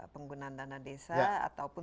penggunaan dana desa ataupun